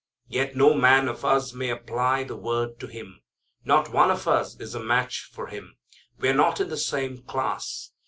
Yet no man of us may apply the word to him. Not one of us is a match for him. We're not in the same class.